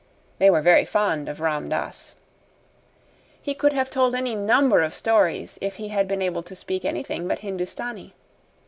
They were very fond of Ram Dass. He could have told any number of stories if he had been able to speak anything but Hindustani.